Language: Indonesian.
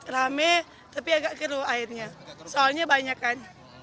rame tapi agak keruh airnya soalnya banyak kan